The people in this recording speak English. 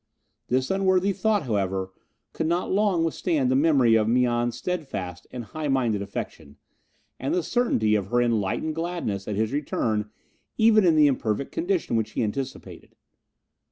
This unworthy thought, however, could not long withstand the memory of Mian's steadfast and high minded affection, and the certainty of her enlightened gladness at his return even in the imperfect condition which he anticipated.